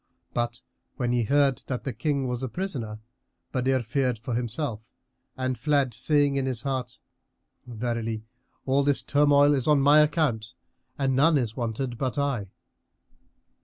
But when he heard that the King was a prisoner, Badr feared for himself and fled, saying in his heart, "Verily, all this turmoil is on my account and none is wanted but I."